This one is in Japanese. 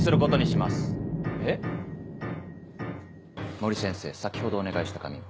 森先生先ほどお願いした紙を。